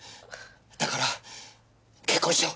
だから結婚しよう！